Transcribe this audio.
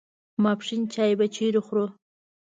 ماپښین چای به چیرې خورو.